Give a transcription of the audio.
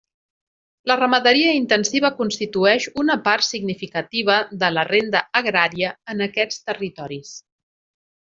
La ramaderia intensiva constitueix una part significativa de la renda agrària en aquests territoris.